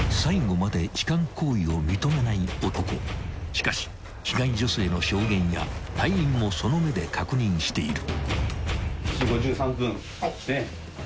［しかし被害女性の証言や隊員もその目で確認している］